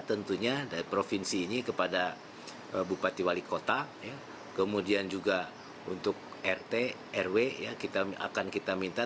tentunya dari provinsi ini kepada bupati wali kota kemudian juga untuk rt rw ya kita akan kita minta